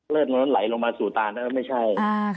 ตรงนั้นไหลลงมาสู่ตานั้นไม่ใช่